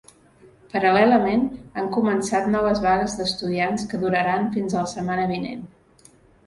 Paral·lelament, han començat noves vagues d’estudiants que duraran fins a la setmana vinent.